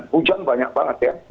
hujan banyak banget ya